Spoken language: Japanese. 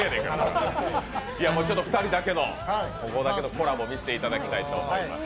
２人だけの、ここだけのコラボを見せていただきたいと思います。